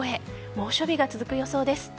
猛暑日が続く予想です。